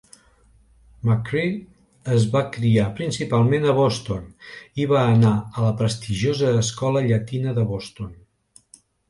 McCree es va criar principalment a Boston i va anar a la prestigiosa Escola Llatina de Boston.